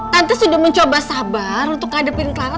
tante sudah mencoba sabar untuk ngadepin kelapa